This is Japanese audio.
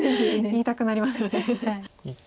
言いたくなりますよね。